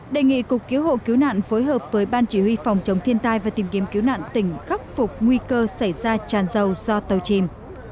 đề nghị cục cứu hộ cứu nạn phối hợp với ban chỉ huy phòng chống thiên tai và tìm kiếm cứu nạn tỉnh khắc phục nguy cơ xảy ra tràn dầu do tàu chìm